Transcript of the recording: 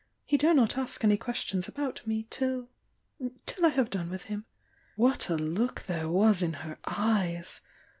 He dare not ask any questions about me — till — till I have done with him!" Whnt a look there was in her eyes!